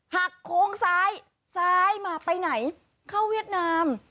หักโค้งซ้ายซ้ายมาไปไหนเข้าเวียดนาม